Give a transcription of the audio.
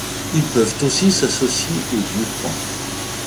Ils peuvent aussi s'associer au dieu Pan.